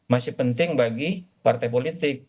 masih penting bagi partai politik